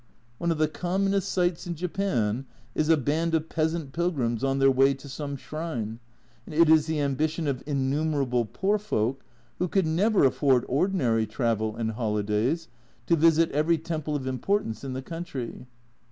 One of the commonest sights in Japan is a band of peasant pilgrims on their way to some shrine, and it is the ambition of innumerable poor folk, who could never afford ordinary travel and holidays, to visit every temple of importance in the country.